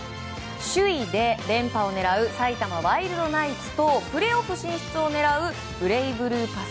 首位で連覇を狙う埼玉ワイルドナイツとプレーオフ進出を狙うブレイブルーパス